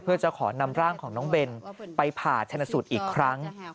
เพื่อจะขอนำร่างของน้องเบนไปผ่าชนะสูตรอีกครั้ง